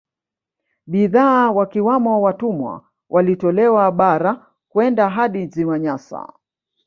Bidhaa wakiwamo watumwa walitolewa bara kwenda hadi Ziwa Nyasa